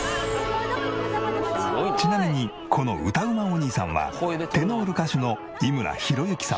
ちなみにこの歌うまおにいさんはテノール歌手の猪村浩之様。